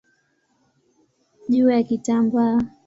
juu ya kitambaa.